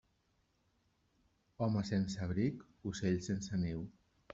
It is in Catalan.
Home sense abric, ocell sense niu.